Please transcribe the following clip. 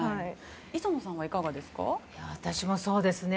磯野さんはいかがですか？